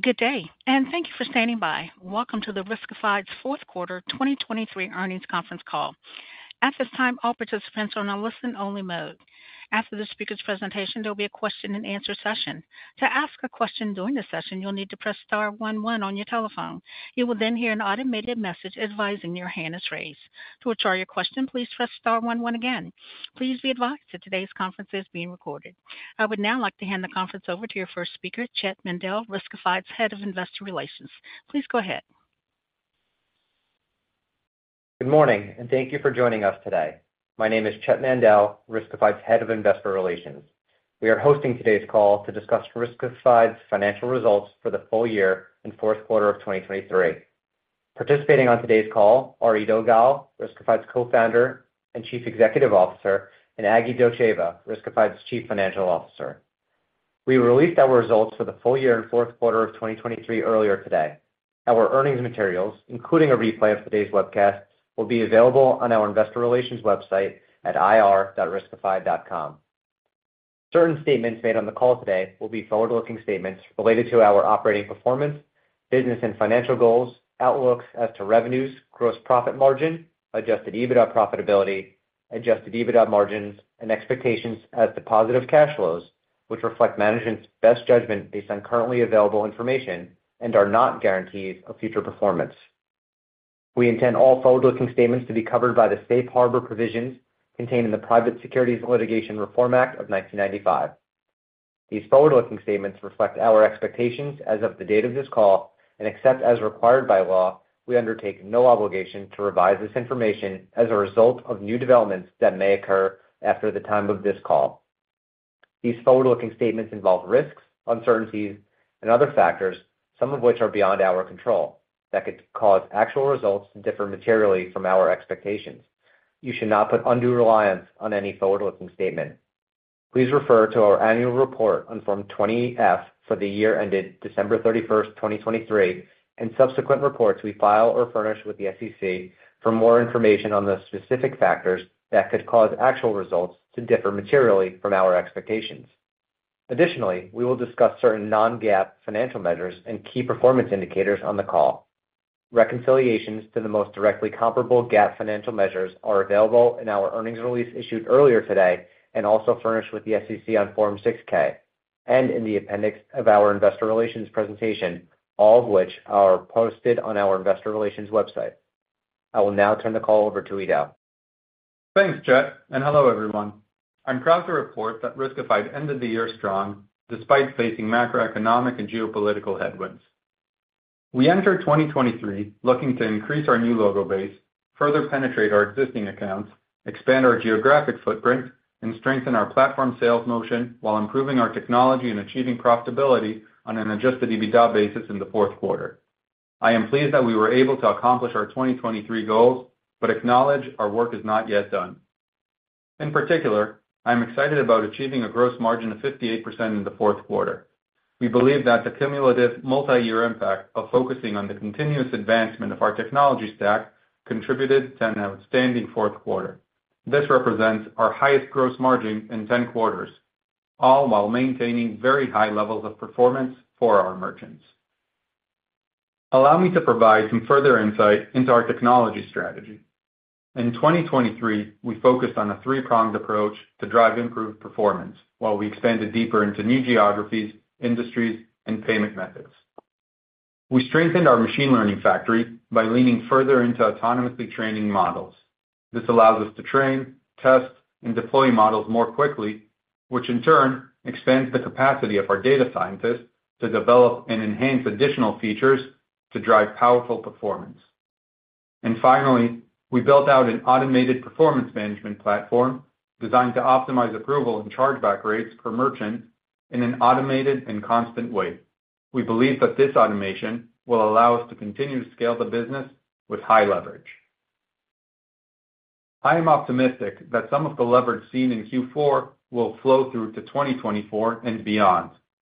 Good day, and thank you for standing by. Welcome to the Riskified's fourth quarter 2023 earnings conference call. At this time, all participants are on a listen-only mode. After the speaker's presentation, there'll be a question-and-answer session. To ask a question during the session, you'll need to press star one one on your telephone. You will then hear an automated message advising your hand is raised. To withdraw your question, please press star one one again. Please be advised that today's conference is being recorded. I would now like to hand the conference over to your first speaker, Chett Mandel, Riskified's Head of Investor Relations. Please go ahead. Good morning, and thank you for joining us today. My name is Chett Mandel, Riskified's Head of Investor Relations. We are hosting today's call to discuss Riskified's financial results for the full year and fourth quarter of 2023. Participating on today's call are Eido Gal, Riskified's Co-Founder and Chief Executive Officer, and Aglika Dotcheva, Riskified's Chief Financial Officer. We released our results for the full year and fourth quarter of 2023 earlier today. Our earnings materials, including a replay of today's webcast, will be available on our investor relations website at ir.riskified.com. Certain statements made on the call today will be forward-looking statements related to our operating performance, business and financial goals, outlooks as to revenues, gross profit margin, Adjusted EBITDA profitability, Adjusted EBITDA margins, and expectations as to positive cash flows, which reflect management's best judgment based on currently available information and are not guarantees of future performance. We intend all forward-looking statements to be covered by the Safe Harbor Provisions contained in the Private Securities Litigation Reform Act of 1995. These forward-looking statements reflect our expectations as of the date of this call, and except as required by law, we undertake no obligation to revise this information as a result of new developments that may occur after the time of this call. These forward-looking statements involve risks, uncertainties, and other factors, some of which are beyond our control, that could cause actual results to differ materially from our expectations. You should not put undue reliance on any forward-looking statement. Please refer to our annual report on Form 20-F for the year ended December 31, 2023, and subsequent reports we file or furnish with the SEC for more information on the specific factors that could cause actual results to differ materially from our expectations. Additionally, we will discuss certain Non-GAAP financial measures and key performance indicators on the call. Reconciliations to the most directly comparable GAAP financial measures are available in our earnings release issued earlier today and also furnished with the SEC on Form 6-K and in the appendix of our investor relations presentation, all of which are posted on our investor relations website. I will now turn the call over to Eido. Thanks, Chett, and hello, everyone. I'm proud to report that Riskified ended the year strong despite facing macroeconomic and geopolitical headwinds. We entered 2023 looking to increase our new logo base, further penetrate our existing accounts, expand our geographic footprint, and strengthen our platform sales motion while improving our technology and achieving profitability on an Adjusted EBITDA basis in the fourth quarter. I am pleased that we were able to accomplish our 2023 goals, but acknowledge our work is not yet done. In particular, I'm excited about achieving a gross margin of 58% in the fourth quarter. We believe that the cumulative multi-year impact of focusing on the continuous advancement of our technology stack contributed to an outstanding fourth quarter. This represents our highest gross margin in 10 quarters, all while maintaining very high levels of performance for our merchants. Allow me to provide some further insight into our technology strategy. In 2023, we focused on a three-pronged approach to drive improved performance while we expanded deeper into new geographies, industries, and payment methods. We strengthened our machine learning factory by leaning further into autonomously training models. This allows us to train, test, and deploy models more quickly, which in turn expands the capacity of our data scientists to develop and enhance additional features to drive powerful performance. And finally, we built out an automated performance management platform designed to optimize approval and chargeback rates per merchant in an automated and constant way. We believe that this automation will allow us to continue to scale the business with high leverage. I am optimistic that some of the leverage seen in Q4 will flow through to 2024 and beyond,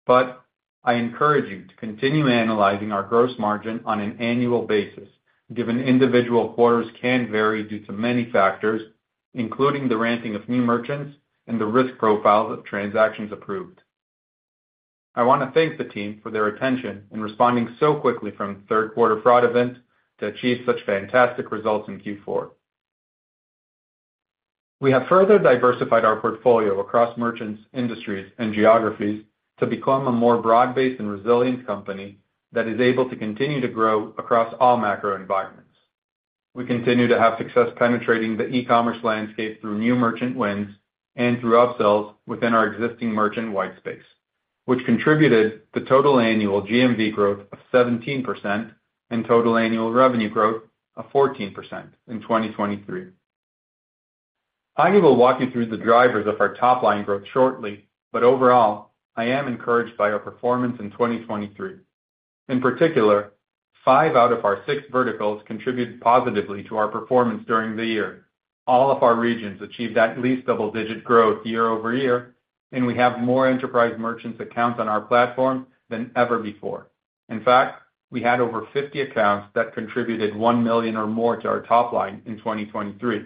but I encourage you to continue analyzing our gross margin on an annual basis, given individual quarters can vary due to many factors, including the ramping of new merchants and the risk profiles of transactions approved. I want to thank the team for their attention in responding so quickly from third quarter fraud events to achieve such fantastic results in Q4. We have further diversified our portfolio across merchants, industries, and geographies to become a more broad-based and resilient company that is able to continue to grow across all macro environments. We continue to have success penetrating the e-commerce landscape through new merchant wins and through upsells within our existing merchant white space, which contributed the total annual GMV growth of 17% and total annual revenue growth of 14% in 2023. Agi will walk you through the drivers of our top-line growth shortly, but overall, I am encouraged by our performance in 2023. In particular, five out of our six verticals contributed positively to our performance during the year. All of our regions achieved at least double-digit growth year-over-year, and we have more enterprise merchants accounts on our platform than ever before. In fact, we had over 50 accounts that contributed $1 million or more to our top line in 2023....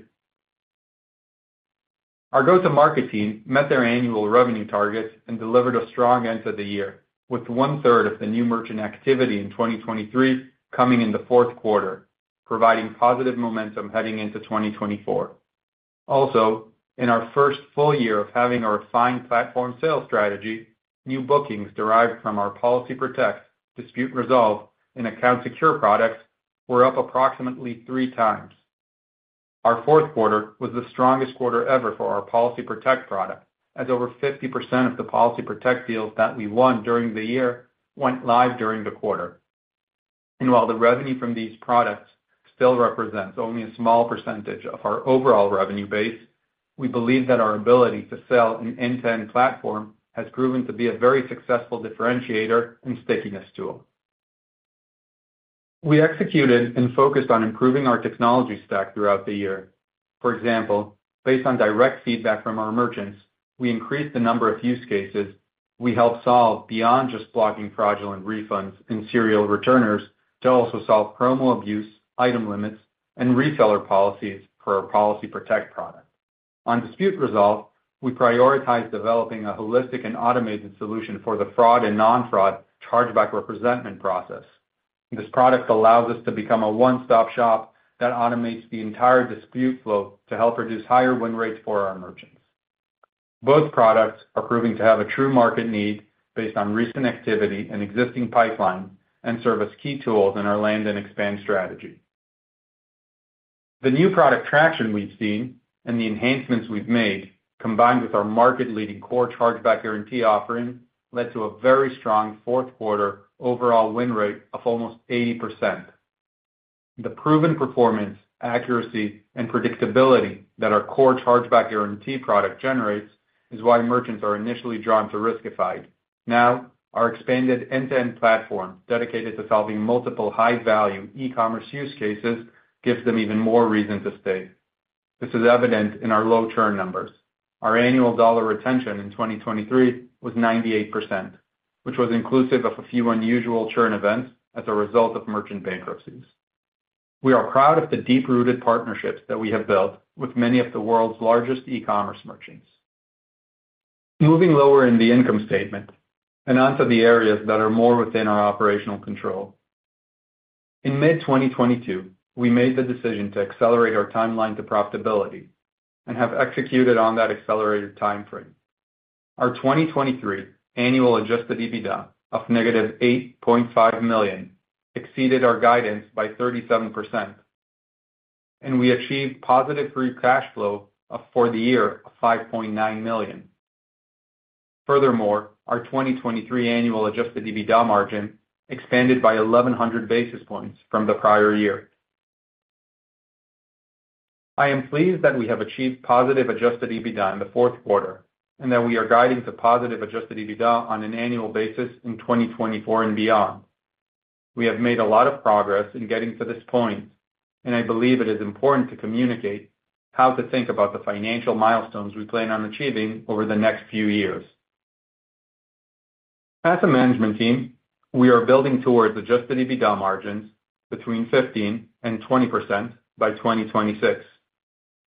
Our go-to-market team met their annual revenue targets and delivered a strong end of the year, with one-third of the new merchant activity in 2023 coming in the fourth quarter, providing positive momentum heading into 2024. Also, in our first full year of having our assigned platform sales strategy, new bookings derived from our Policy Protect, Dispute Resolve, and Account Secure products were up approximately 3x. Our fourth quarter was the strongest quarter ever for our Policy Protect product, as over 50% of the Policy Protect deals that we won during the year went live during the quarter. And while the revenue from these products still represents only a small percentage of our overall revenue base, we believe that our ability to sell an end-to-end platform has proven to be a very successful differentiator and stickiness tool. We executed and focused on improving our technology stack throughout the year. For example, based on direct feedback from our merchants, we increased the number of use cases we helped solve beyond just blocking fraudulent refunds and serial returners to also solve promo abuse, item limits, and reseller policies for our Policy Protect product. On Dispute Resolve, we prioritized developing a holistic and automated solution for the fraud and non-fraud chargeback representment process. This product allows us to become a one-stop shop that automates the entire dispute flow to help reduce higher win rates for our merchants. Both products are proving to have a true market need based on recent activity and existing pipeline and serve as key tools in our land and expand strategy. The new product traction we've seen and the enhancements we've made, combined with our market-leading core Chargeback Guarantee offering, led to a very strong fourth quarter overall win rate of almost 80%. The proven performance, accuracy, and predictability that our core Chargeback Guarantee product generates is why merchants are initially drawn to Riskified. Now, our expanded end-to-end platform, dedicated to solving multiple high-value e-commerce use cases, gives them even more reason to stay. This is evident in our low churn numbers. Our annual dollar retention in 2023 was 98%, which was inclusive of a few unusual churn events as a result of merchant bankruptcies. We are proud of the deep-rooted partnerships that we have built with many of the world's largest e-commerce merchants. Moving lower in the income statement and onto the areas that are more within our operational control. In mid-2022, we made the decision to accelerate our timeline to profitability and have executed on that accelerated time frame. Our 2023 annual Adjusted EBITDA of -$8.5 million exceeded our guidance by 37%, and we achieved positive free cash flow of, for the year, of $5.9 million. Furthermore, our 2023 annual Adjusted EBITDA margin expanded by 1,100 basis points from the prior year. I am pleased that we have achieved positive Adjusted EBITDA in the fourth quarter and that we are guiding to positive Adjusted EBITDA on an annual basis in 2024 and beyond. We have made a lot of progress in getting to this point, and I believe it is important to communicate how to think about the financial milestones we plan on achieving over the next few years. As a management team, we are building towards Adjusted EBITDA margins between 15%-20% by 2026.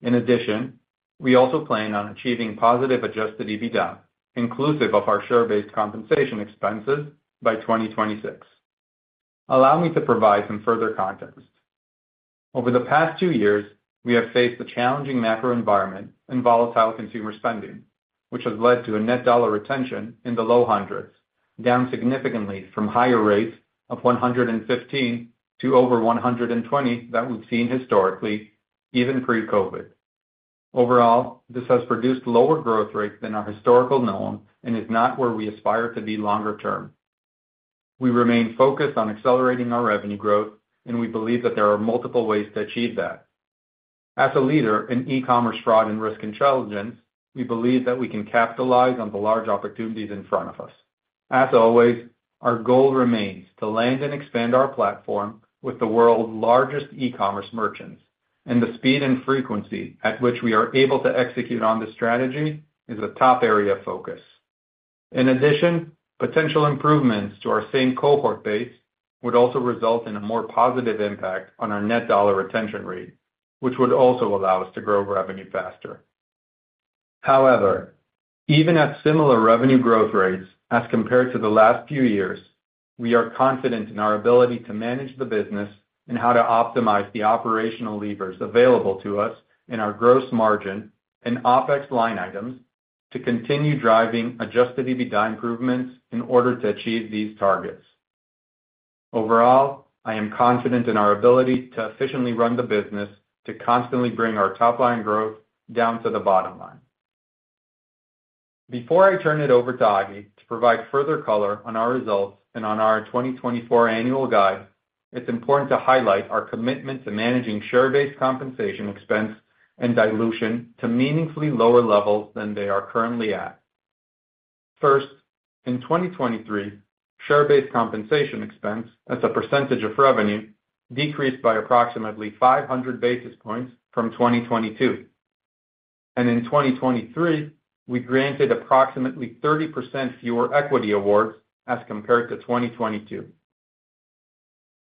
In addition, we also plan on achieving positive Adjusted EBITDA, inclusive of our share-based compensation expenses, by 2026. Allow me to provide some further context. Over the past 2 years, we have faced a challenging macro environment and volatile consumer spending, which has led to a Net Dollar Retention in the low hundreds, down significantly from higher rates of 115 to over 120 that we've seen historically, even pre-COVID. Overall, this has produced lower growth rates than our historical norm and is not where we aspire to be longer term. We remain focused on accelerating our revenue growth, and we believe that there are multiple ways to achieve that. As a leader in e-commerce, fraud, and risk intelligence, we believe that we can capitalize on the large opportunities in front of us. As always, our goal remains to land and expand our platform with the world's largest e-commerce merchants, and the speed and frequency at which we are able to execute on this strategy is a top area of focus. In addition, potential improvements to our same cohort base would also result in a more positive impact on our Net Dollar Retention rate, which would also allow us to grow revenue faster. However, even at similar revenue growth rates as compared to the last few years, we are confident in our ability to manage the business and how to optimize the operational levers available to us in our gross margin and OpEx line items to continue driving Adjusted EBITDA improvements in order to achieve these targets. Overall, I am confident in our ability to efficiently run the business to constantly bring our top-line growth down to the bottom line. Before I turn it over to Agi to provide further color on our results and on our 2024 annual guide, it's important to highlight our commitment to managing share-based compensation expense and dilution to meaningfully lower levels than they are currently at. First, in 2023, share-based compensation expense as a percentage of revenue decreased by approximately 500 basis points from 2022, and in 2023, we granted approximately 30% fewer equity awards as compared to 2022....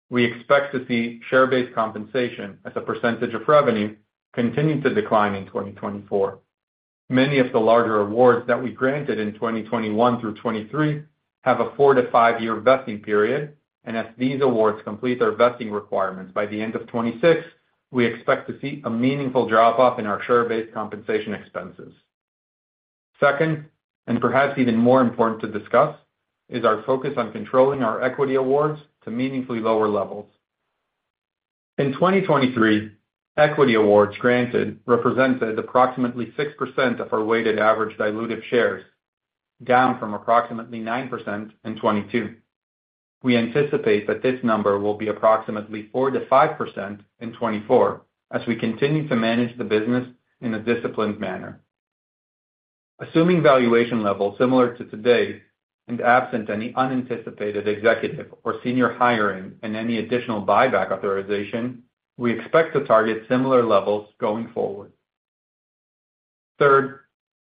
we expect to see share-based compensation as a percentage of revenue continue to decline in 2024. Many of the larger awards that we granted in 2021 through 2023 have a 4- to 5-year vesting period, and as these awards complete their vesting requirements by the end of 2026, we expect to see a meaningful drop-off in our share-based compensation expenses. Second, and perhaps even more important to discuss, is our focus on controlling our equity awards to meaningfully lower levels. In 2023, equity awards granted represented approximately 6% of our weighted average dilutive shares, down from approximately 9% in 2022. We anticipate that this number will be approximately 4%-5% in 2024, as we continue to manage the business in a disciplined manner. Assuming valuation levels similar to today, and absent any unanticipated executive or senior hiring and any additional buyback authorization, we expect to target similar levels going forward. Third,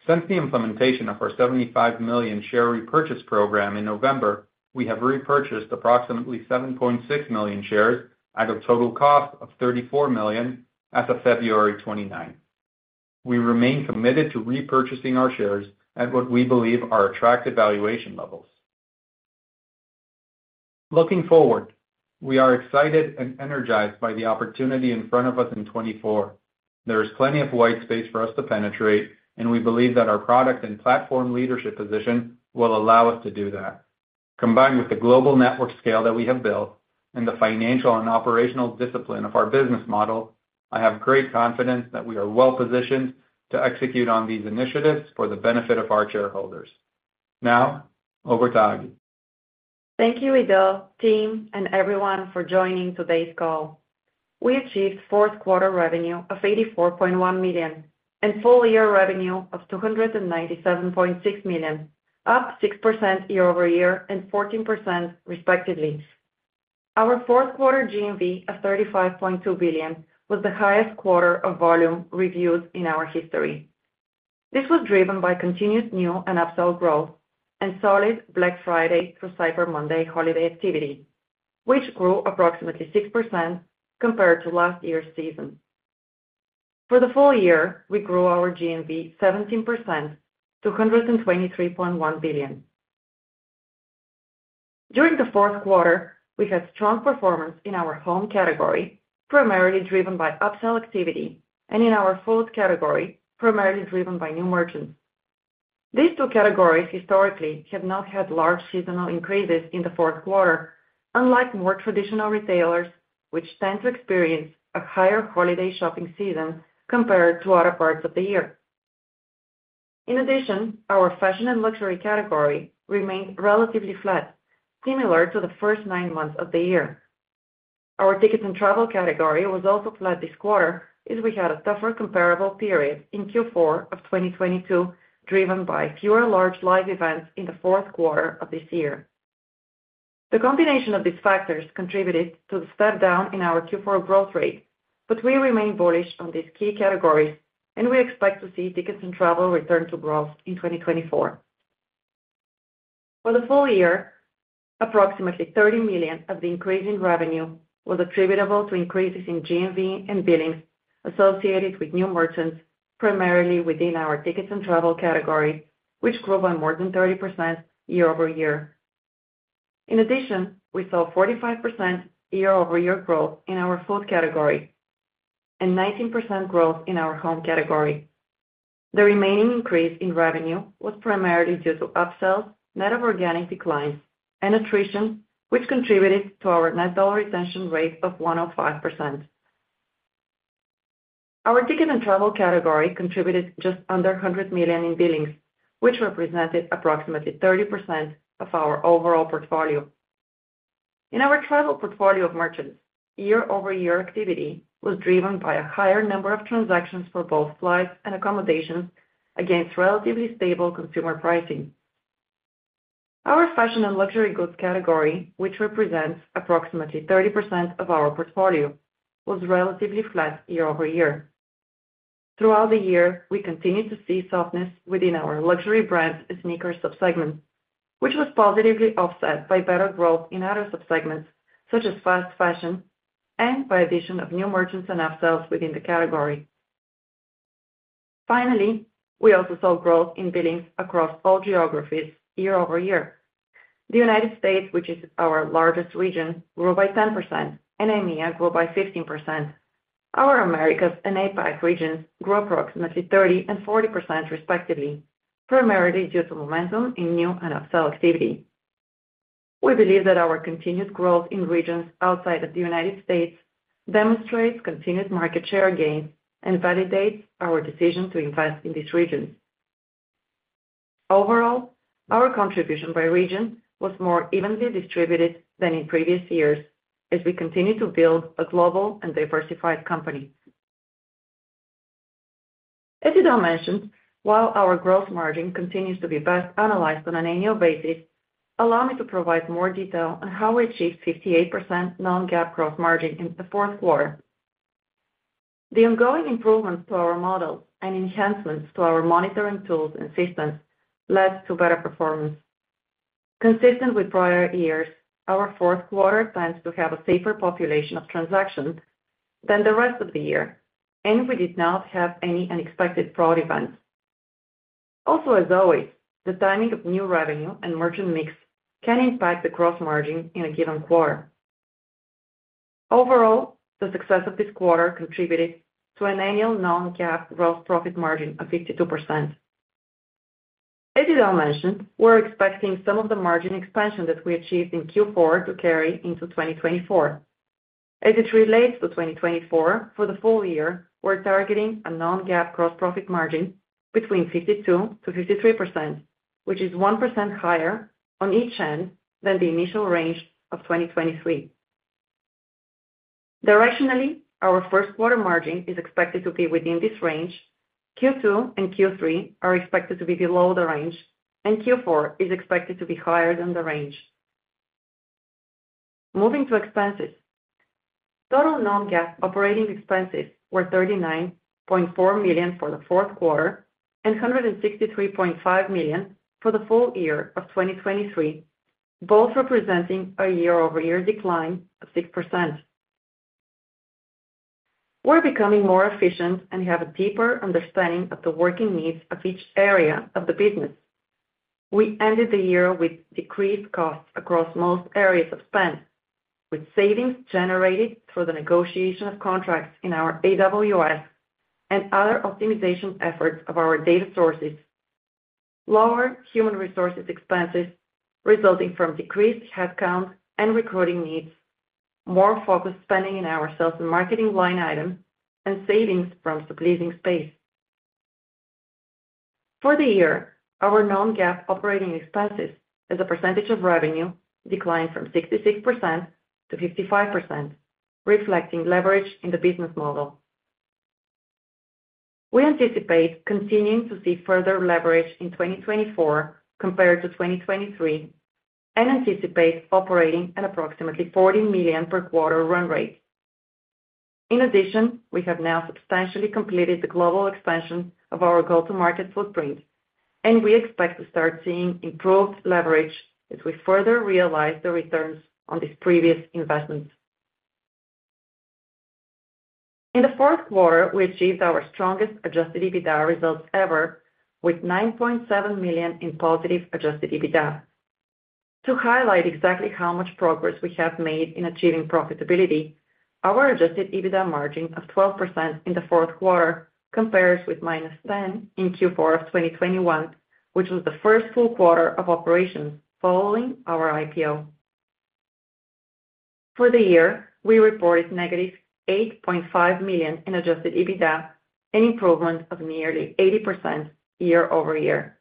since the implementation of our 75 million share repurchase program in November, we have repurchased approximately 7.6 million shares at a total cost of $34 million as of February 29th. We remain committed to repurchasing our shares at what we believe are attractive valuation levels. Looking forward, we are excited and energized by the opportunity in front of us in 2024. There is plenty of white space for us to penetrate, and we believe that our product and platform leadership position will allow us to do that. Combined with the global network scale that we have built and the financial and operational discipline of our business model, I have great confidence that we are well positioned to execute on these initiatives for the benefit of our shareholders. Now, over to Agi. Thank you, Eido, team, and everyone for joining today's call. We achieved fourth quarter revenue of $84.1 million and full year revenue of $297.6 million, up 6% year-over-year and 14% respectively. Our fourth quarter GMV of $35.2 billion was the highest quarter of volume reviewed in our history. This was driven by continued new and upsell growth and solid Black Friday through Cyber Monday holiday activity, which grew approximately 6% compared to last year's season. For the full year, we grew our GMV 17% to $123.1 billion. During the fourth quarter, we had strong performance in our home category, primarily driven by upsell activity, and in our food category, primarily driven by new merchants. These two categories historically have not had large seasonal increases in the fourth quarter, unlike more traditional retailers, which tend to experience a higher holiday shopping season compared to other parts of the year. In addition, our fashion and luxury category remained relatively flat, similar to the first nine months of the year. Our tickets and travel category was also flat this quarter, as we had a tougher comparable period in Q4 of 2022, driven by fewer large live events in the fourth quarter of this year. The combination of these factors contributed to the step down in our Q4 growth rate, but we remain bullish on these key categories, and we expect to see tickets and travel return to growth in 2024. For the full year, approximately $30 million of the increase in revenue was attributable to increases in GMV and billings associated with new merchants, primarily within our tickets and travel category, which grew by more than 30% year-over-year. In addition, we saw 45% year-over-year growth in our food category and 19% growth in our home category. The remaining increase in revenue was primarily due to upsells, net of organic declines, and attrition, which contributed to our net dollar retention rate of 105%. Our ticket and travel category contributed just under $100 million in billings, which represented approximately 30% of our overall portfolio. In our travel portfolio of merchants, year-over-year activity was driven by a higher number of transactions for both flights and accommodations against relatively stable consumer pricing. Our fashion and luxury goods category, which represents approximately 30% of our portfolio, was relatively flat year-over-year. Throughout the year, we continued to see softness within our luxury brands sneaker subsegment, which was positively offset by better growth in other subsegments, such as fast fashion and by addition of new merchants and upsells within the category. Finally, we also saw growth in billings across all geographies year-over-year. The United States, which is our largest region, grew by 10%, and EMEA grew by 15%. Our Americas and APAC regions grew approximately 30% and 40%, respectively, primarily due to momentum in new and upsell activity. We believe that our continued growth in regions outside of the United States demonstrates continued market share gains and validates our decision to invest in these regions. Overall, our contribution by region was more evenly distributed than in previous years, as we continue to build a global and diversified company. As Eido mentioned, while our gross margin continues to be best analyzed on an annual basis, allow me to provide more detail on how we achieved 58% Non-GAAP gross margin in the fourth quarter. The ongoing improvements to our model and enhancements to our monitoring tools and systems led to better performance. Consistent with prior years, our fourth quarter tends to have a safer population of transactions than the rest of the year, and we did not have any unexpected fraud events. Also, as always, the timing of new revenue and merchant mix can impact the gross margin in a given quarter. Overall, the success of this quarter contributed to an annual Non-GAAP gross profit margin of 52%. As Eido mentioned, we're expecting some of the margin expansion that we achieved in Q4 to carry into 2024. As it relates to 2024, for the full year, we're targeting a Non-GAAP gross profit margin between 52%-53%, which is 1% higher on each end than the initial range of 2023. Directionally, our first quarter margin is expected to be within this range, Q2 and Q3 are expected to be below the range, and Q4 is expected to be higher than the range. Moving to expenses. Total Non-GAAP operating expenses were $39.4 million for the fourth quarter, and $163.5 million for the full year of 2023, both representing a year-over-year decline of 6%. We're becoming more efficient and have a deeper understanding of the working needs of each area of the business. We ended the year with decreased costs across most areas of spend, with savings generated through the negotiation of contracts in our AWS and other optimization efforts of our data sources. Lower human resources expenses resulting from decreased headcount and recruiting needs, more focused spending in our sales and marketing line item, and savings from subleasing space. For the year, our Non-GAAP operating expenses as a percentage of revenue declined from 66% to 55%, reflecting leverage in the business model. We anticipate continuing to see further leverage in 2024 compared to 2023, and anticipate operating at approximately $40 million per quarter run rate. In addition, we have now substantially completed the global expansion of our go-to-market footprint, and we expect to start seeing improved leverage as we further realize the returns on these previous investments. In the fourth quarter, we achieved our strongest adjusted EBITDA results ever, with $9.7 million in positive adjusted EBITDA. To highlight exactly how much progress we have made in achieving profitability, our adjusted EBITDA margin of 12% in the fourth quarter compares with -10% in Q4 of 2021, which was the first full quarter of operations following our IPO. For the year, we reported -$8.5 million in adjusted EBITDA, an improvement of nearly 80% year-over-year.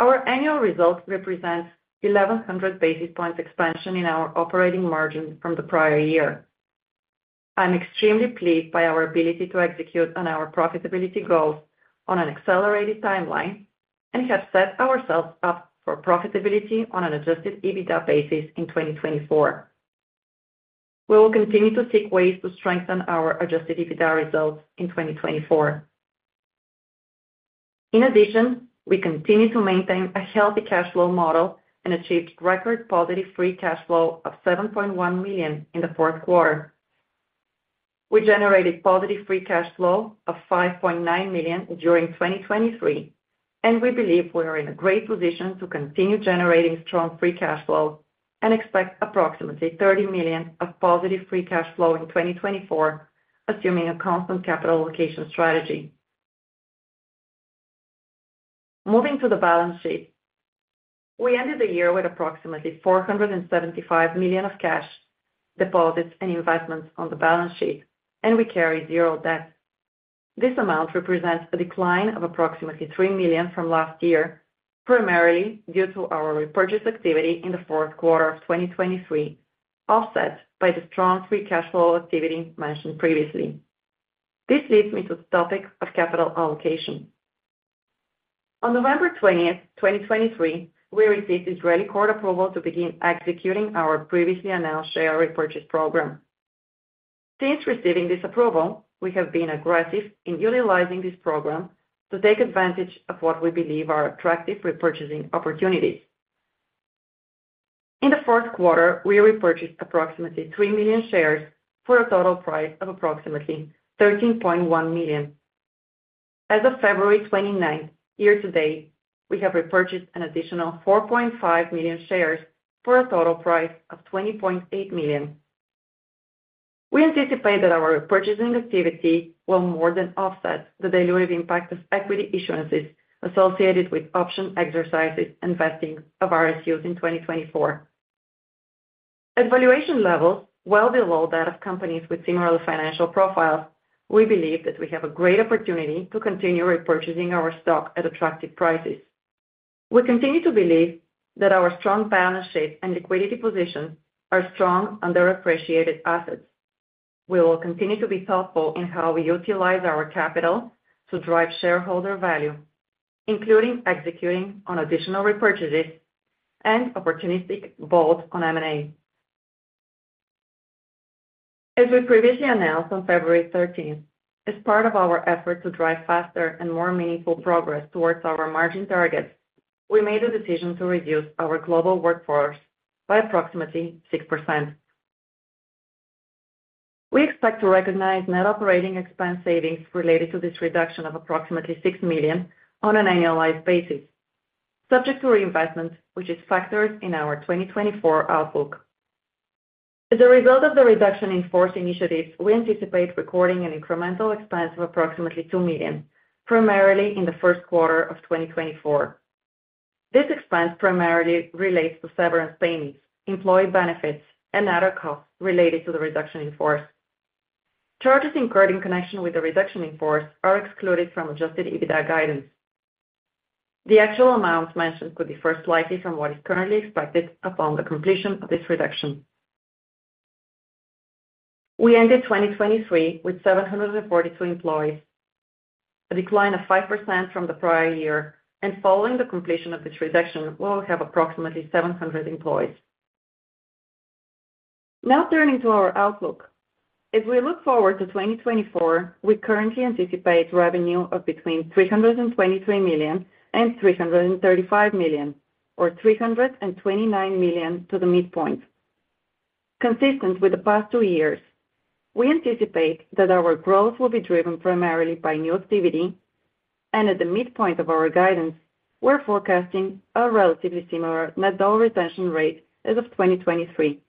Our annual results represent 1,100 basis points expansion in our operating margin from the prior year. I'm extremely pleased by our ability to execute on our profitability goals on an accelerated timeline and have set ourselves up for profitability on an adjusted EBITDA basis in 2024. We will continue to seek ways to strengthen our adjusted EBITDA results in 2024. In addition, we continue to maintain a healthy cash flow model and achieved record positive free cash flow of $7.1 million in the fourth quarter. We generated positive free cash flow of $5.9 million during 2023, and we believe we are in a great position to continue generating strong free cash flow and expect approximately $30 million of positive free cash flow in 2024, assuming a constant capital allocation strategy. Moving to the balance sheet. We ended the year with approximately $475 million of cash deposits and investments on the balance sheet, and we carry zero debt. This amount represents a decline of approximately $3 million from last year, primarily due to our repurchase activity in the fourth quarter of 2023, offset by the strong free cash flow activity mentioned previously. This leads me to the topic of capital allocation. On November 20, 2023, we received Israeli court approval to begin executing our previously announced share repurchase program. Since receiving this approval, we have been aggressive in utilizing this program to take advantage of what we believe are attractive repurchasing opportunities. In the fourth quarter, we repurchased approximately 3 million shares for a total price of approximately $13.1 million. As of February 29, year to date, we have repurchased an additional 4.5 million shares for a total price of $20.8 million. We anticipate that our repurchasing activity will more than offset the dilutive impact of equity issuances associated with option exercises and vesting of RSUs in 2024. At valuation levels, well below that of companies with similar financial profiles, we believe that we have a great opportunity to continue repurchasing our stock at attractive prices. We continue to believe that our strong balance sheet and liquidity position are strong underappreciated assets. We will continue to be thoughtful in how we utilize our capital to drive shareholder value, including executing on additional repurchases... and opportunistic both on M&A. As we previously announced on February 13th, as part of our effort to drive faster and more meaningful progress towards our margin targets, we made a decision to reduce our global workforce by approximately 6%. We expect to recognize net operating expense savings related to this reduction of approximately $6 million on an annualized basis, subject to reinvestment, which is factored in our 2024 outlook. As a result of the reduction in force initiatives, we anticipate recording an incremental expense of approximately $2 million, primarily in the first quarter of 2024. This expense primarily relates to severance payments, employee benefits, and other costs related to the reduction in force. Charges incurred in connection with the reduction in force are excluded from Adjusted EBITDA guidance. The actual amounts mentioned could differ slightly from what is currently expected upon the completion of this reduction. We ended 2023 with 742 employees, a decline of 5% from the prior year, and following the completion of this reduction, we'll have approximately 700 employees. Now turning to our outlook. As we look forward to 2024, we currently anticipate revenue of between $323 million and $335 million, or $329 million at the midpoint. Consistent with the past two years, we anticipate that our growth will be driven primarily by new activity, and at the midpoint of our guidance, we're forecasting a relatively similar Net Dollar Retention rate as of 2023.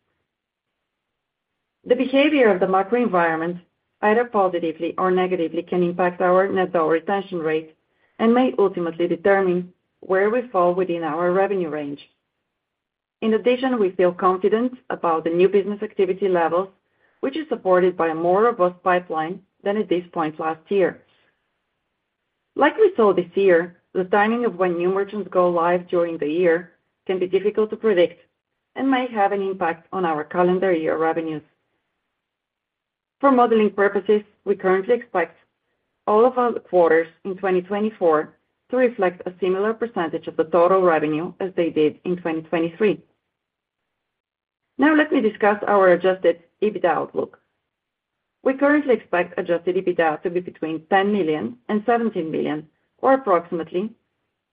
The behavior of the macro environment, either positively or negatively, can impact our Net Dollar Retention rate and may ultimately determine where we fall within our revenue range. In addition, we feel confident about the new business activity levels, which is supported by a more robust pipeline than at this point last year. Like we saw this year, the timing of when new merchants go live during the year can be difficult to predict and may have an impact on our calendar year revenues. For modeling purposes, we currently expect all of our quarters in 2024 to reflect a similar percentage of the total revenue as they did in 2023. Now let me discuss our Adjusted EBITDA outlook. We currently expect Adjusted EBITDA to be between $10 million and $17 million, or approximately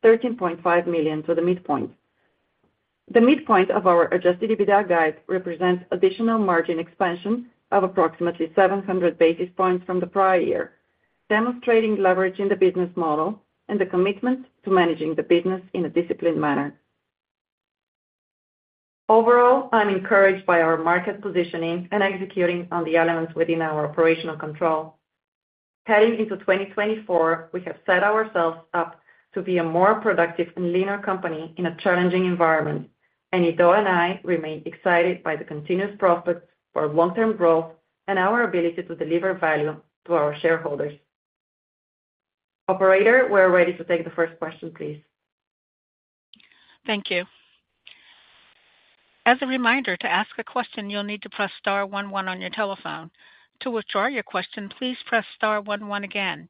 $13.5 million to the midpoint. The midpoint of our Adjusted EBITDA guide represents additional margin expansion of approximately 700 basis points from the prior year, demonstrating leverage in the business model and the commitment to managing the business in a disciplined manner. Overall, I'm encouraged by our market positioning and executing on the elements within our operational control. Heading into 2024, we have set ourselves up to be a more productive and leaner company in a challenging environment, and Eido and I remain excited by the continuous profits for long-term growth and our ability to deliver value to our shareholders. Operator, we're ready to take the first question, please. Thank you. As a reminder, to ask a question, you'll need to press star one one on your telephone. To withdraw your question, please press star one one again.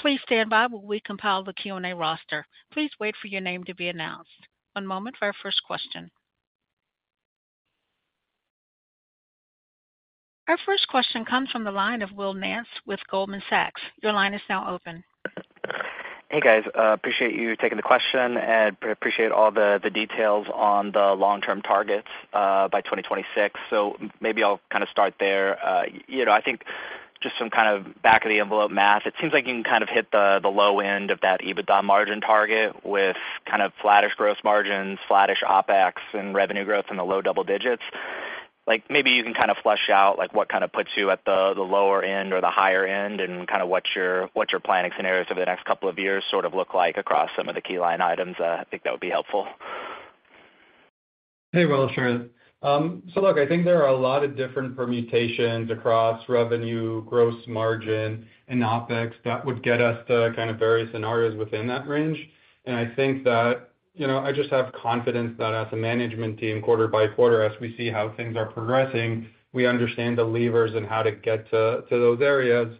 Please stand by while we compile the Q&A roster. Please wait for your name to be announced. One moment for our first question. Our first question comes from the line of Will Nance with Goldman Sachs. Your line is now open. Hey, guys, appreciate you taking the question, and appreciate all the, the details on the long-term targets, by 2026. So maybe I'll kind of start there. You know, I think just some kind of back of the envelope math, it seems like you can kind of hit the, the low end of that EBITDA margin target with kind of flattish gross margins, flattish OpEx, and revenue growth in the low double digits. Like, maybe you can kind of flesh out, like, what kind of puts you at the, the lower end or the higher end, and kind of what your, what your planning scenarios over the next couple of years sort of look like across some of the key line items. I think that would be helpful. Hey, Will. Sure. So look, I think there are a lot of different permutations across revenue, gross margin, and OpEx that would get us to kind of various scenarios within that range. And I think that, you know, I just have confidence that as a management team, quarter by quarter, as we see how things are progressing, we understand the levers and how to get to those areas,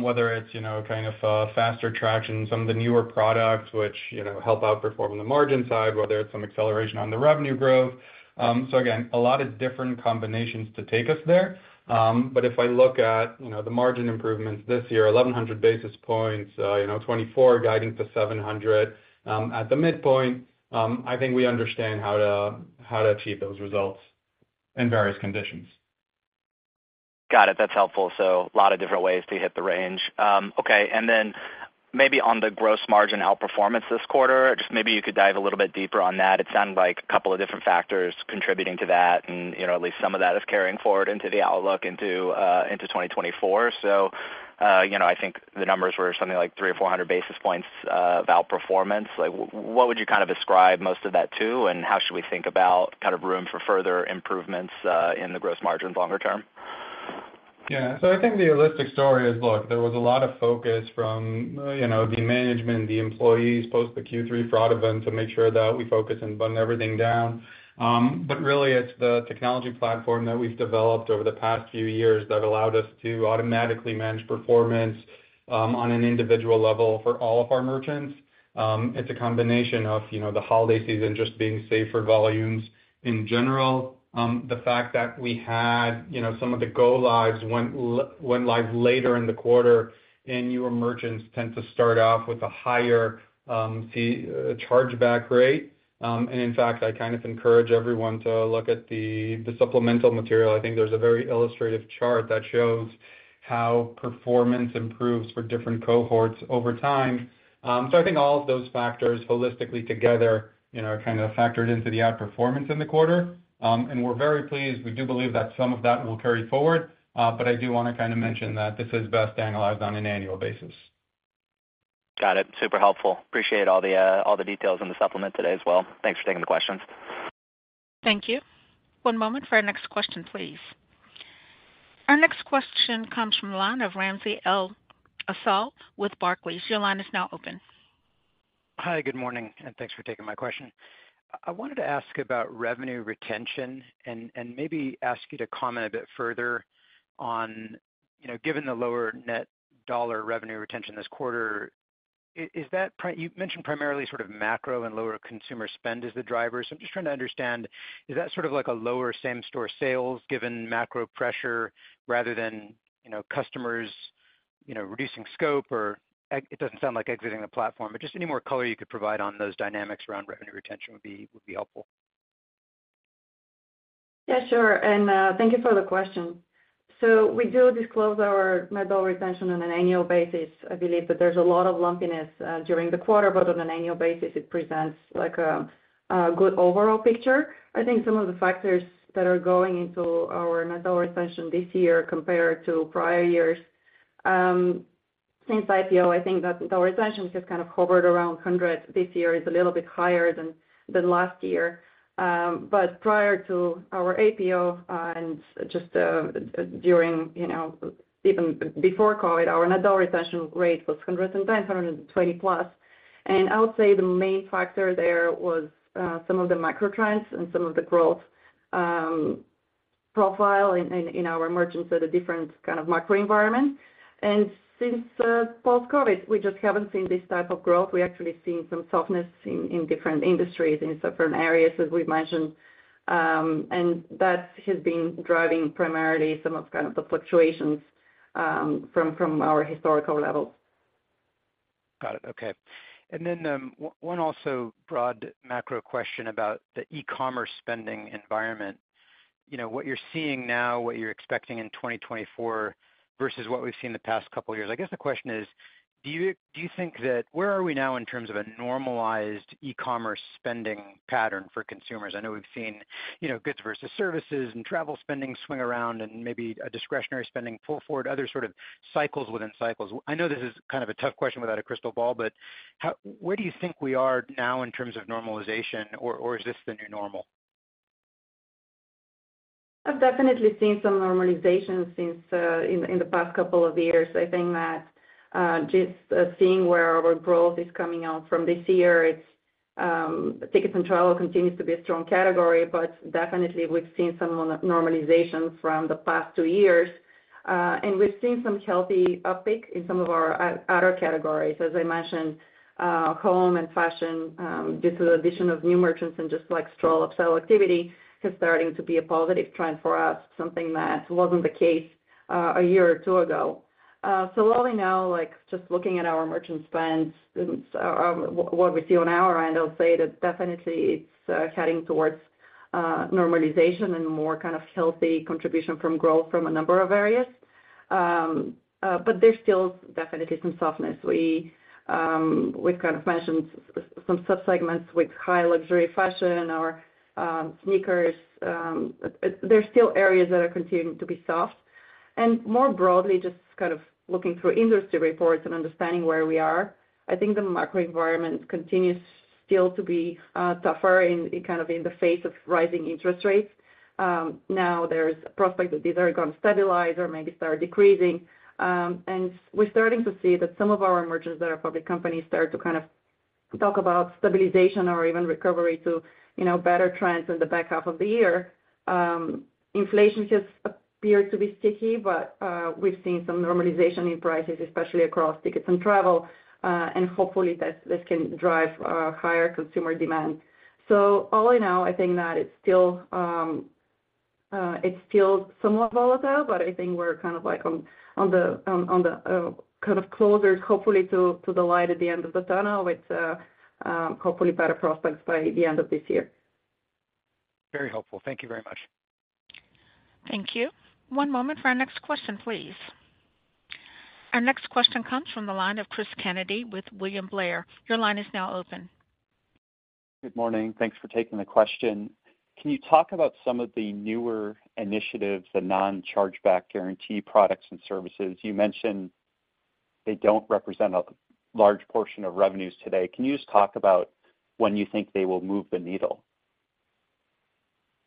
whether it's, you know, kind of faster traction in some of the newer products which, you know, help outperform on the margin side, whether it's some acceleration on the revenue growth. So again, a lot of different combinations to take us there. But if I look at, you know, the margin improvements this year, 1,100 basis points, you know, 2024 guiding to 700, at the midpoint, I think we understand how to, how to achieve those results in various conditions. Got it. That's helpful. So a lot of different ways to hit the range. Okay, and then maybe on the gross margin outperformance this quarter, just maybe you could dive a little bit deeper on that. It sounded like a couple of different factors contributing to that, and, you know, at least some of that is carrying forward into the outlook into 2024. So, you know, I think the numbers were something like 300 or 400 basis points of outperformance. Like, what would you kind of ascribe most of that to, and how should we think about kind of room for further improvements in the gross margins longer term?... Yeah, so I think the holistic story is, look, there was a lot of focus from, you know, the management, the employees, post the Q3 fraud event to make sure that we focus and button everything down. But really, it's the technology platform that we've developed over the past few years that allowed us to automatically manage performance on an individual level for all of our merchants. It's a combination of, you know, the holiday season just being safer volumes in general. The fact that we had, you know, some of the go lives went live later in the quarter, and newer merchants tend to start off with a higher fee chargeback rate. And in fact, I kind of encourage everyone to look at the supplemental material. I think there's a very illustrative chart that shows how performance improves for different cohorts over time. So I think all of those factors holistically together, you know, are kind of factored into the outperformance in the quarter. And we're very pleased. We do believe that some of that will carry forward, but I do wanna kind of mention that this is best analyzed on an annual basis. Got it. Super helpful. Appreciate all the, all the details in the supplement today as well. Thanks for taking the questions. Thank you. One moment for our next question, please. Our next question comes from the line of Ramsey El-Assal with Barclays. Your line is now open. Hi, good morning, and thanks for taking my question. I wanted to ask about revenue retention and maybe ask you to comment a bit further on, you know, given the lower Net Dollar Retention this quarter, is that primarily you mentioned primarily sort of macro and lower consumer spend as the driver. So I'm just trying to understand, is that sort of like a lower same store sales given macro pressure rather than, you know, customers, you know, reducing scope, or exiting the platform, but just any more color you could provide on those dynamics around revenue retention would be helpful. Yeah, sure, and thank you for the question. So we do disclose our Net Dollar Retention on an annual basis. I believe that there's a lot of lumpiness during the quarter, but on an annual basis, it presents like a good overall picture. I think some of the factors that are going into our Net Dollar Retention this year compared to prior years, since IPO, I think that dollar retentions have kind of hovered around 100. This year is a little bit higher than last year. But prior to our IPO, and just during, you know, even before COVID, our Net Dollar Retention rate was 110, 120+. And I would say the main factor there was some of the micro trends and some of the growth profile in our merchants at a different kind of macro environment. And since post-COVID, we just haven't seen this type of growth. We've actually seen some softness in different industries, in different areas, as we've mentioned. And that has been driving primarily some of kind of the fluctuations from our historical levels. Got it. Okay. And then, one also broad macro question about the e-commerce spending environment. You know, what you're seeing now, what you're expecting in 2024, versus what we've seen in the past couple of years. I guess the question is: do you, do you think that, where are we now in terms of a normalized e-commerce spending pattern for consumers? I know we've seen, you know, goods versus services and travel spending swing around and maybe a discretionary spending pull forward, other sort of cycles within cycles. I know this is kind of a tough question without a crystal ball, but how, where do you think we are now in terms of normalization, or, or is this the new normal? I've definitely seen some normalization since in the past couple of years. I think that just seeing where our growth is coming out from this year, it's tickets and travel continues to be a strong category, but definitely we've seen some normalization from the past two years. And we've seen some healthy uptick in some of our other categories. As I mentioned, home and fashion, just the addition of new merchants and just, like, strong upsell activity is starting to be a positive trend for us, something that wasn't the case a year or two ago. So all in all, like, just looking at our merchant spend, what we see on our end, I'll say that definitely it's heading towards normalization and more kind of healthy contribution from growth from a number of areas. But there's still definitely some softness. We've kind of mentioned some subsegments with high luxury fashion or sneakers. There's still areas that are continuing to be soft. And more broadly, just kind of looking through industry reports and understanding where we are, I think the macro environment continues still to be tougher in the face of rising interest rates. Now there's a prospect that these are gonna stabilize or maybe start decreasing. And we're starting to see that some of our merchants that are public companies start to kind of talk about stabilization or even recovery to, you know, better trends in the back half of the year. Inflation just appears to be sticky, but we've seen some normalization in prices, especially across tickets and travel, and hopefully that this can drive higher consumer demand. So all in all, I think that it's still, it's still somewhat volatile, but I think we're kind of like on the kind of closer, hopefully, to the light at the end of the tunnel with hopefully better prospects by the end of this year. Very helpful. Thank you very much. Thank you. One moment for our next question, please. Our next question comes from the line of Chris Kennedy with William Blair. Your line is now open. Good morning. Thanks for taking the question. Can you talk about some of the newer initiatives, the non-Chargeback Guarantee products and services? You mentioned they don't represent a large portion of revenues today. Can you just talk about when you think they will move the needle?...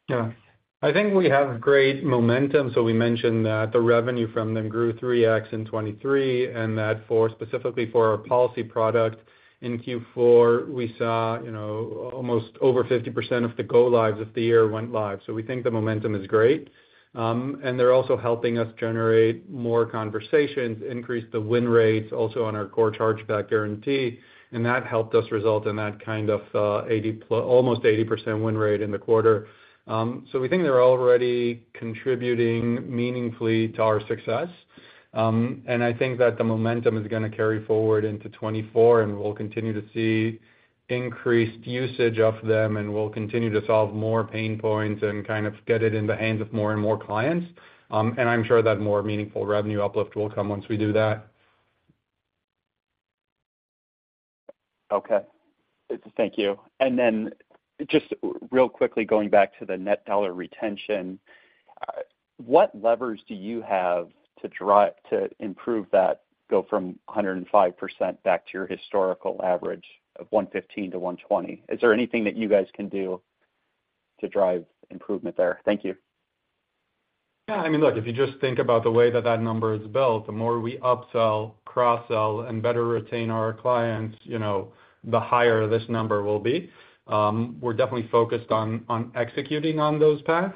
Yeah, I think we have great momentum. So we mentioned that the revenue from them grew 3x in 2023, and that for, specifically for our policy product in Q4, we saw, you know, almost over 50% of the go-lives of the year went live. So we think the momentum is great. And they're also helping us generate more conversations, increase the win rates also on our core Chargeback Guarantee, and that helped us result in that kind of, almost 80% win rate in the quarter. So we think they're already contributing meaningfully to our success. And I think that the momentum is gonna carry forward into 2024, and we'll continue to see increased usage of them, and we'll continue to solve more pain points and kind of get it in the hands of more and more clients. I'm sure that more meaningful revenue uplift will come once we do that. Okay. Thank you. And then just real quickly, going back to the Net Dollar Retention, what levers do you have to drive to improve that, go from 105% back to your historical average of 115%-120%? Is there anything that you guys can do to drive improvement there? Thank you. Yeah, I mean, look, if you just think about the way that that number is built, the more we upsell, cross-sell, and better retain our clients, you know, the higher this number will be. We're definitely focused on executing on those paths.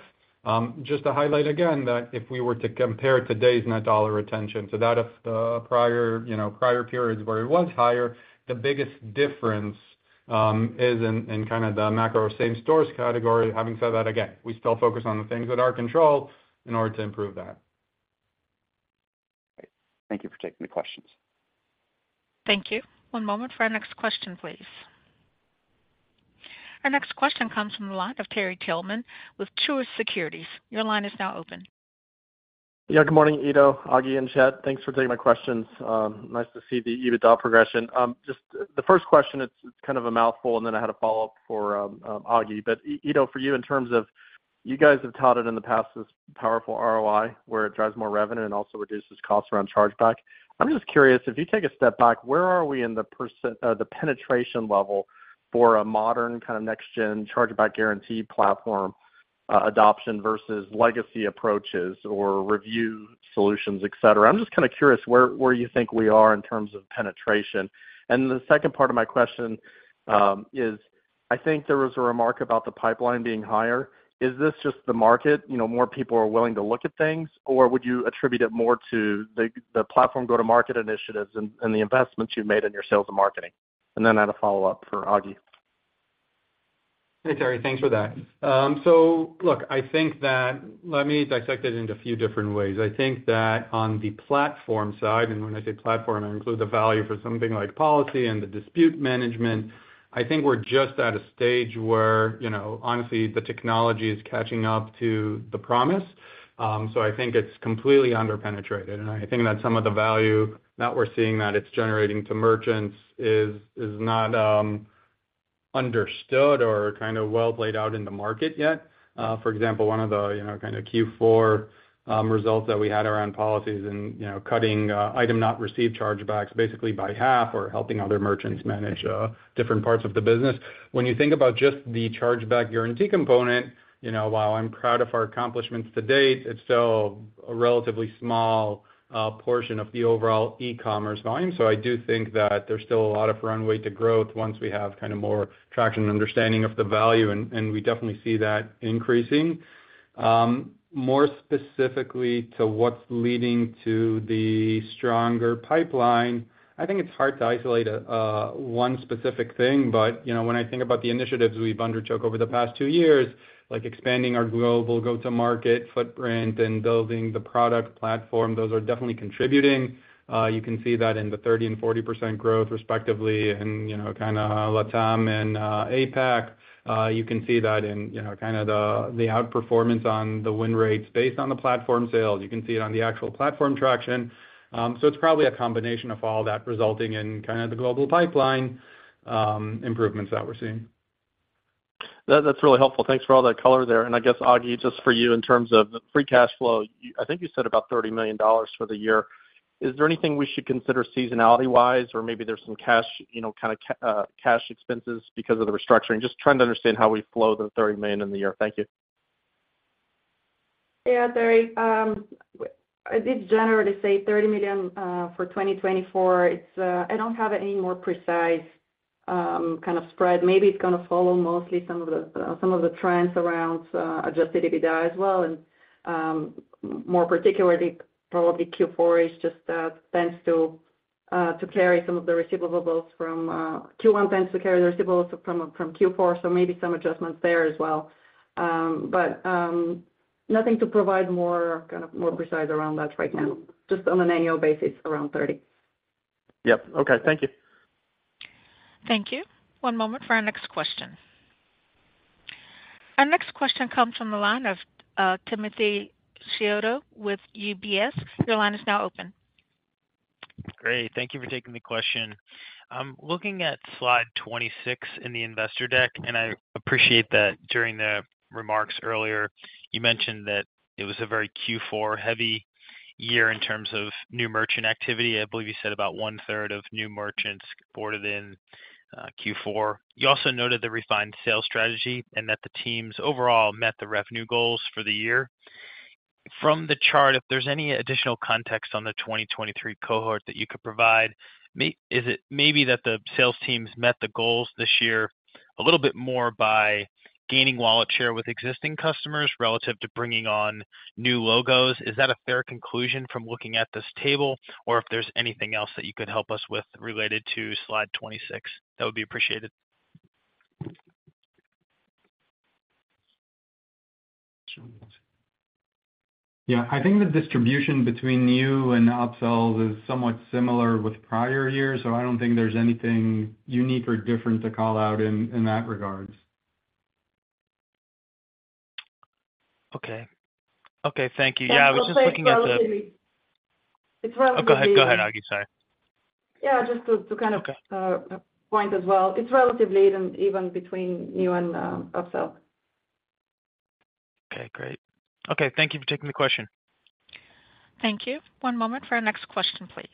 Just to highlight again, that if we were to compare today's Net Dollar Retention to that of the prior, you know, prior periods where it was higher, the biggest difference is in kind of the macro same stores category. Having said that, again, we still focus on the things that are controlled in order to improve that. Great. Thank you for taking the questions. Thank you. One moment for our next question, please. Our next question comes from the line of Terry Tillman with Truist Securities. Your line is now open. Yeah, good morning, Eido, Aglika, and Chett. Thanks for taking my questions. Nice to see the EBITDA progression. Just the first question, it's kind of a mouthful, and then I had a follow-up for Aglika. But I- Eido, for you, in terms of you guys have taught it in the past, this powerful ROI, where it drives more revenue and also reduces costs around chargeback. I'm just curious, if you take a step back, where are we in the penetration level for a modern kind of next gen chargeback guarantee platform, adoption versus legacy approaches or review solutions, et cetera? I'm just kind of curious where you think we are in terms of penetration. And the second part of my question is, I think there was a remark about the pipeline being higher. Is this just the market? You know, more people are willing to look at things, or would you attribute it more to the platform go-to-market initiatives and the investments you've made in your sales and marketing? And then I had a follow-up for Aglika. Hey, Terry. Thanks for that. So look, I think that, let me dissect it into a few different ways. I think that on the platform side, and when I say platform, I include the value for something like policy and the dispute management. I think we're just at a stage where, you know, honestly, the technology is catching up to the promise. So I think it's completely underpenetrated, and I think that some of the value that we're seeing that it's generating to merchants is not understood or kind of well laid out in the market yet. For example, one of the, you know, kind of Q4 results that we had around policies and, you know, cutting item not received chargebacks basically by half or helping other merchants manage different parts of the business. When you think about just the Chargeback Guarantee component, you know, while I'm proud of our accomplishments to date, it's still a relatively small portion of the overall e-commerce volume. So I do think that there's still a lot of runway to growth once we have kind of more traction and understanding of the value, and we definitely see that increasing. More specifically to what's leading to the stronger pipeline, I think it's hard to isolate a one specific thing, but, you know, when I think about the initiatives we've undertook over the past two years, like expanding our global go-to-market footprint and building the product platform, those are definitely contributing. You can see that in the 30% and 40% growth, respectively, in, you know, kind of LATAM and APAC. You can see that in, you know, kind of the outperformance on the win rates based on the platform sales. You can see it on the actual platform traction. So it's probably a combination of all that, resulting in kind of the global pipeline improvements that we're seeing. That, that's really helpful. Thanks for all that color there. I guess, Aglika, just for you, in terms of the free cash flow, I think you said about $30 million for the year. Is there anything we should consider seasonality-wise, or maybe there's some cash, you know, kind of cash expenses because of the restructuring? Just trying to understand how we flow the $30 million in the year. Thank you. Yeah, Terry, I did generally say $30 million for 2024. It's, I don't have any more precise, kind of spread. Maybe it's gonna follow mostly some of the, some of the trends around, Adjusted EBITDA as well. And, more particularly, probably Q4 is just, tends to, to carry some of the receivables from, Q1 tends to carry the receivables from, from Q4, so maybe some adjustments there as well. But, nothing to provide more, kind of, more precise around that right now, just on an annual basis, around 30. Yep. Okay. Thank you. Thank you. One moment for our next question. Our next question comes from the line of Timothy Chiodo with UBS. Your line is now open. Great. Thank you for taking the question. Looking at Slide 26 in the investor deck, and I appreciate that during the remarks earlier, you mentioned that it was a very Q4-heavy year in terms of new merchant activity. I believe you said about one third of new merchants boarded in, Q4. You also noted the refined sales strategy and that the teams overall met the revenue goals for the year... From the chart, if there's any additional context on the 2023 cohort that you could provide, is it maybe that the sales teams met the goals this year a little bit more by gaining wallet share with existing customers relative to bringing on new logos? Is that a fair conclusion from looking at this table? Or if there's anything else that you could help us with related to Slide 26, that would be appreciated. Yeah, I think the distribution between new and upsells is somewhat similar with prior years, so I don't think there's anything unique or different to call out in that regards. Okay. Okay, thank you. Yeah, I was just looking at the- It's relatively- Oh, go ahead. Go ahead, Agi, sorry. Yeah, just to kind of- Okay point as well. It's relatively even, even between new and upsell. Okay, great. Okay, thank you for taking the question. Thank you. One moment for our next question, please.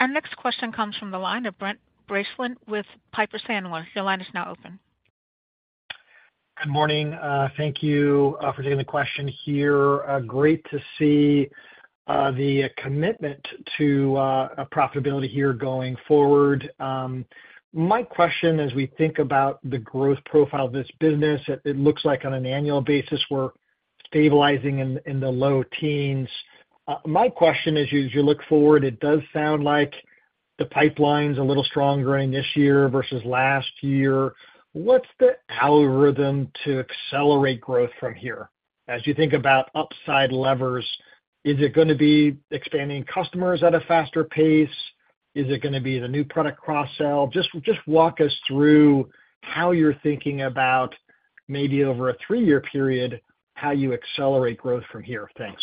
Our next question comes from the line of Brent Bracelin with Piper Sandler. Your line is now open. Good morning. Thank you for taking the question here. Great to see the commitment to a profitability here going forward. My question as we think about the growth profile of this business, it looks like on an annual basis, we're stabilizing in the low teens. My question is, as you look forward, it does sound like the pipeline's a little stronger in this year versus last year. What's the algorithm to accelerate growth from here? As you think about upside levers, is it gonna be expanding customers at a faster pace? Is it gonna be the new product cross-sell? Just walk us through how you're thinking about, maybe over a three-year period, how you accelerate growth from here. Thanks.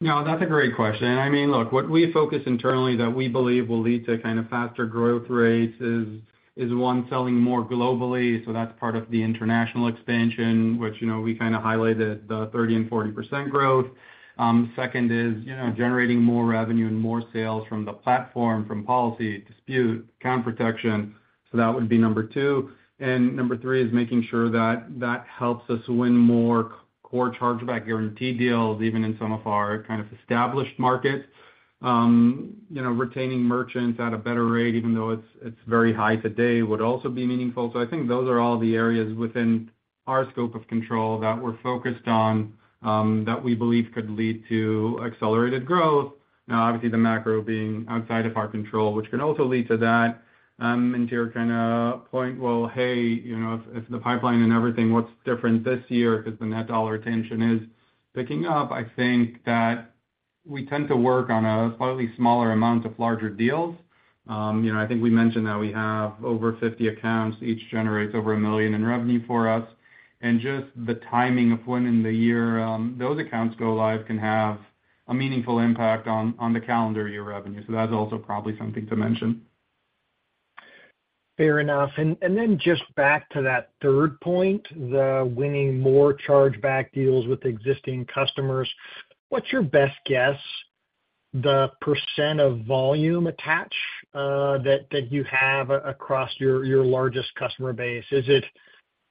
No, that's a great question. I mean, look, what we focus internally that we believe will lead to kind of faster growth rates is one, selling more globally, so that's part of the international expansion, which, you know, we kind of highlighted the 30% and 40% growth. Second is, you know, generating more revenue and more sales from the platform, from policy, dispute, account protection, so that would be number two. And number three is making sure that that helps us win more core Chargeback Guarantee deals, even in some of our kind of established markets. You know, retaining merchants at a better rate, even though it's, it's very high today, would also be meaningful. So I think those are all the areas within our scope of control that we're focused on, that we believe could lead to accelerated growth. Now, obviously, the macro being outside of our control, which can also lead to that. And to your kind of point, well, hey, you know, if, if the pipeline and everything, what's different this year is the Net Dollar Retention is picking up. I think that we tend to work on a slightly smaller amount of larger deals. You know, I think we mentioned that we have over 50 accounts, each generates over $1 million in revenue for us. And just the timing of when in the year, those accounts go live can have a meaningful impact on the calendar year revenue. So that's also probably something to mention. Fair enough. And, and then just back to that third point, the winning more chargeback deals with existing customers. What's your best guess, the percent of volume attach, that, that you have across your, your largest customer base? Is it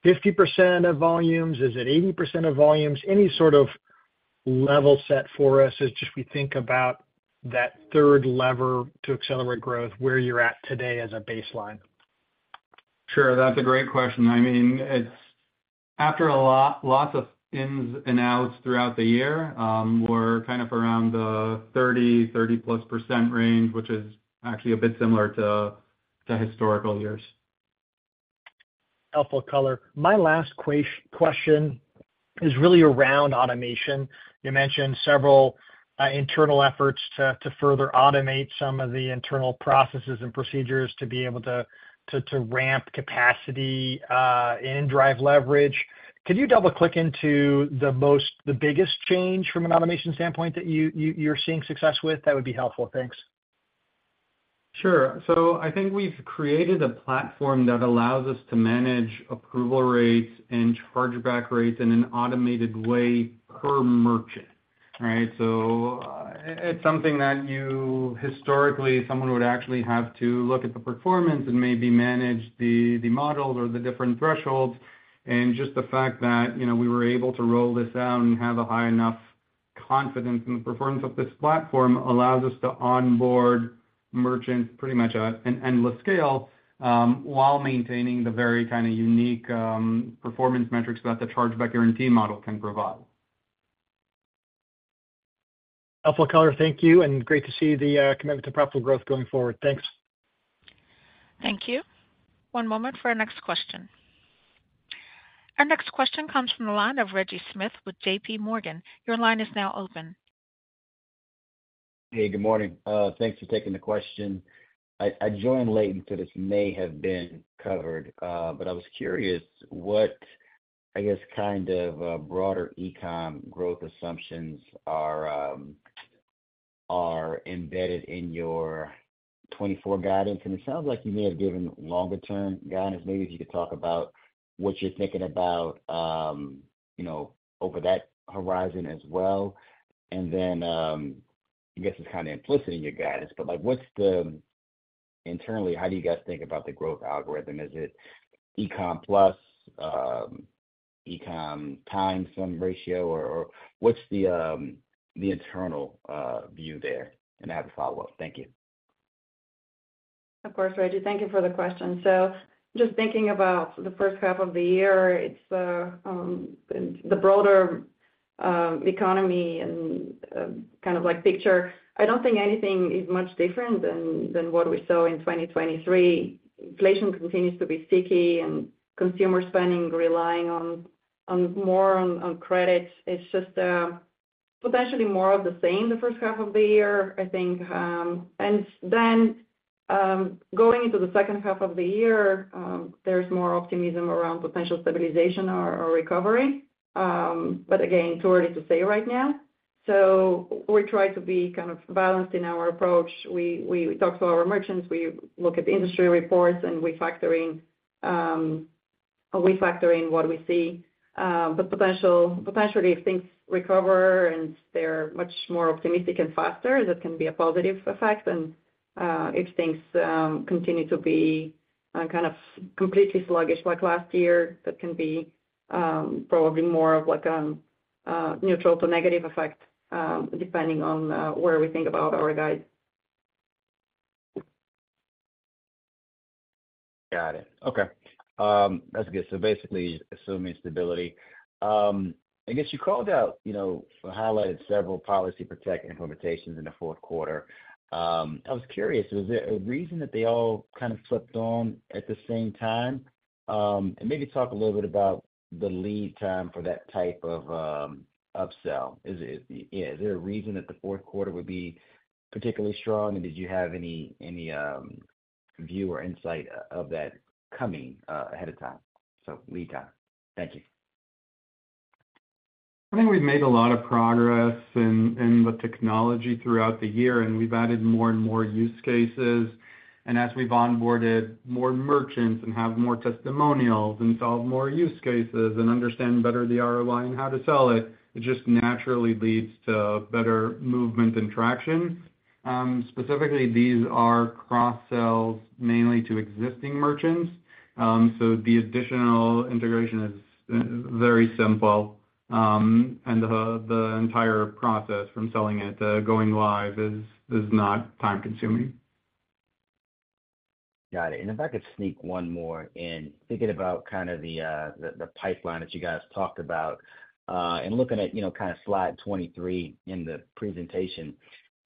50% of volumes? Is it 80% of volumes? Any sort of level set for us as just we think about that third lever to accelerate growth, where you're at today as a baseline? Sure, that's a great question. I mean, it's after a lot, lots of ins and outs throughout the year, we're kind of around the 30, 30+% range, which is actually a bit similar to historical years. Helpful color. My last question is really around automation. You mentioned several internal efforts to further automate some of the internal processes and procedures to be able to ramp capacity and drive leverage. Could you double-click into the biggest change from an automation standpoint that you're seeing success with? That would be helpful. Thanks. Sure. So I think we've created a platform that allows us to manage approval rates and chargeback rates in an automated way per merchant. All right? So, it's something that you historically, someone would actually have to look at the performance and maybe manage the models or the different thresholds. And just the fact that, you know, we were able to roll this out and have a high enough confidence in the performance of this platform, allows us to onboard merchants pretty much at an endless scale, while maintaining the very kind of unique, performance metrics that the Chargeback Guarantee model can provide. Helpful color. Thank you, and great to see the commitment to profitable growth going forward. Thanks. Thank you. One moment for our next question. Our next question comes from the line of Reggie Smith with JPMorgan. Your line is now open. Hey, good morning. Thanks for taking the question. I, I joined late into this, may have been covered, but I was curious what, I guess, kind of, broader e-com growth assumptions are, are embedded in your 2024 guidance? And it sounds like you may have given longer-term guidance. Maybe if you could talk about what you're thinking about, you know, over that horizon as well. And then, I guess it's kind of implicit in your guidance, but, like, what's internally, how do you guys think about the growth algorithm? Is it e-com plus, e-com times some ratio? Or, or what's the, the internal, view there? And I have a follow-up. Thank you. Of course, Reggie, thank you for the question. So just thinking about the first half of the year, it's the broader economy and kind of like picture. I don't think anything is much different than what we saw in 2023. Inflation continues to be sticky, and consumer spending relying more on credit. It's just potentially more of the same, the first half of the year, I think. And then going into the second half of the year, there's more optimism around potential stabilization or recovery. But again, too early to say right now. So we try to be kind of balanced in our approach. We talk to our merchants, we look at the industry reports, and we factor in what we see. But potentially, if things recover and they're much more optimistic and faster, that can be a positive effect. If things continue to be kind of completely sluggish like last year, that can be probably more of like a neutral to negative effect, depending on where we think about our guide. Got it. Okay. That's good. So basically assuming stability. I guess you called out, you know, or highlighted several Policy Protect implementations in the fourth quarter. I was curious, was there a reason that they all kind of flipped on at the same time? And maybe talk a little bit about the lead time for that type of upsell. Is there a reason that the fourth quarter would be particularly strong? And did you have any view or insight of that coming ahead of time? So lead time. Thank you. I think we've made a lot of progress in the technology throughout the year, and we've added more and more use cases. And as we've onboarded more merchants and have more testimonials and solved more use cases and understand better the ROI and how to sell it, it just naturally leads to better movement and traction. Specifically, these are cross-sells mainly to existing merchants. So the additional integration is very simple, and the entire process from selling it to going live is not time consuming. Got it. And if I could sneak one more in, thinking about kind of the pipeline that you guys talked about, and looking at, you know, kind of Slide 23 in the presentation,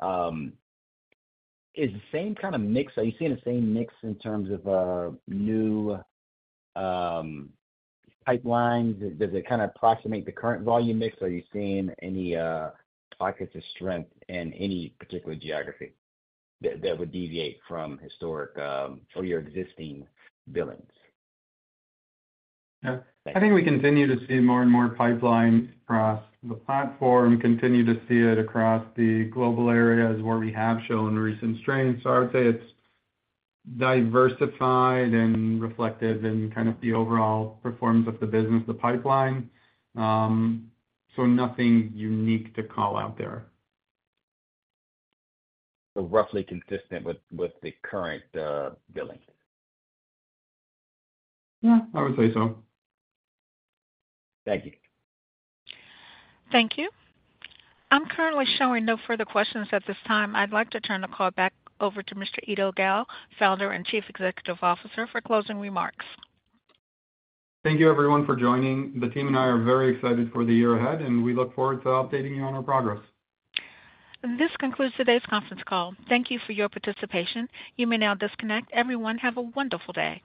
is the same kind of mix? Are you seeing the same mix in terms of new pipelines? Does it kind of approximate the current volume mix? Are you seeing any pockets of strength in any particular geography that would deviate from historic or your existing billings? Yeah. I think we continue to see more and more pipeline across the platform, continue to see it across the global areas where we have shown recent strength. So I would say it's diversified and reflective in kind of the overall performance of the business, the pipeline. So nothing unique to call out there. Roughly consistent with the current billing? Yeah, I would say so. Thank you. Thank you. I'm currently showing no further questions at this time. I'd like to turn the call back over to Mr. Eido Gal, Co-Founder and Chief Executive Officer, for closing remarks. Thank you, everyone, for joining. The team and I are very excited for the year ahead, and we look forward to updating you on our progress. This concludes today's conference call. Thank you for your participation. You may now disconnect. Everyone, have a wonderful day.